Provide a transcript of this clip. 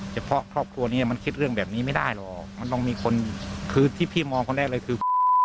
เฉพาะครอบครัวนี้มันคิดเรื่องแบบนี้ไม่ได้หรอกมันต้องมีคนคือที่พี่มองคนแรกเลยคือ